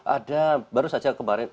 ada baru saja kemarin